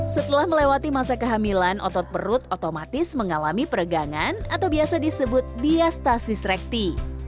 setelah melewati masa kehamilan otot perut otomatis mengalami peregangan atau biasa disebut diastasis rekti